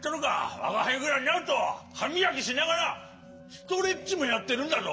わがはいぐらいになるとはみがきしながらストレッチもやってるんだぞ。